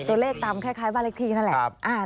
ตัวเลขตามคล้ายบ้านเลขที่นั่นแหละ